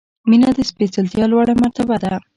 • مینه د سپېڅلتیا لوړه مرتبه ده.